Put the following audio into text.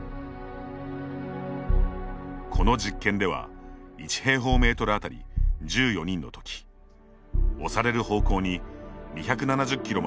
この実験では１平方メートルあたり１４人の時押される方向に２７０キロ